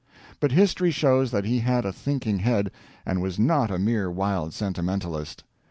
But history shows that he had a thinking head, and was not a mere wild sentimentalist.